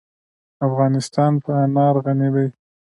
افغانستان په انار غني دی.